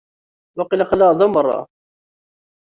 Waqil aql-aɣ da merra.